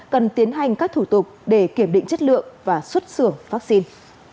cần tiến hành các thủ tục để kiểm định chất lượng và xuất xưởng vaccine